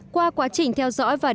qua quá trình theo dõi và đánh giá